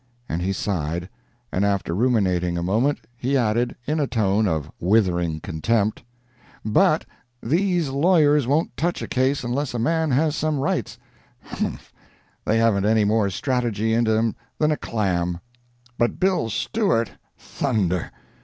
And he sighed; and after ruminating a moment, he added, in a tone of withering contempt: "But these lawyers won't touch a case unless a man has some rights; humph! they haven't any more strategy into 'em than a clam. But Bill Stewart—thunder!